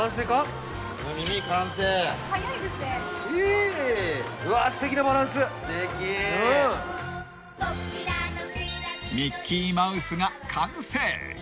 ［ミッキーマウスが完成］